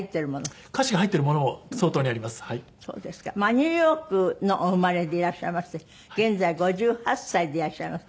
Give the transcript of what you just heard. ニューヨークのお生まれでいらっしゃいまして現在５８歳でいらっしゃいます。